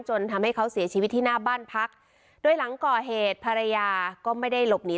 จนทำให้เขาเสียชีวิตที่หน้าบ้านพักโดยหลังก่อเหตุภรรยาก็ไม่ได้หลบหนี